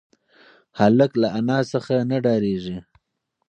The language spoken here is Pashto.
هلک له انا څخه نه ډارېږي.